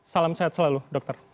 salam sehat selalu dokter